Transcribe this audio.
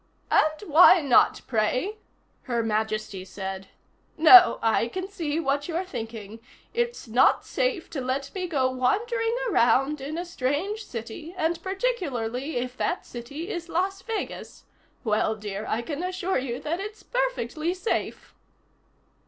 "And why not, pray?" Her Majesty said. "No. I can see what you're thinking. It's not safe to let me go wandering around in a strange city, and particularly if that city is Las Vegas. Well, dear, I can assure you that it's perfectly safe."